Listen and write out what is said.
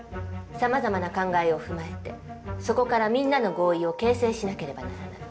さまざまな考えを踏まえてそこからみんなの合意を形成しなければならない。